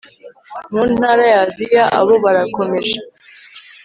mu ntara ya Aziya Abo barakomeje